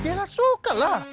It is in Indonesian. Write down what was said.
kira suka lah